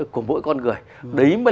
của mỗi con người đấy mới